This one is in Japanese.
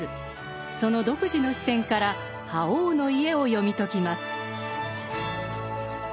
その独自の視点から「覇王の家」を読み解きます。